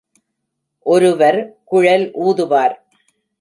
ஒருவர் குழல் ஊதுவார்.